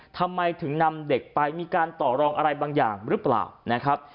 ทำไมถึงนำเด็กไปมีการต่อรองอะไรบางอย่างหรือเปล่านะครับ